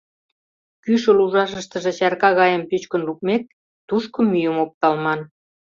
Кӱшыл ужашыштыже чарка гайым пӱчкын лукмек, тушко мӱйым опталман.